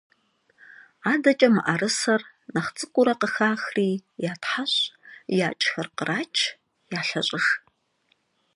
АдэкӀэ мыӀэрысэр, нэхъ цӀыкӀуурэ къыхахри, ятхьэщӀ, якӀхэр кърач, ялъэщӀыж.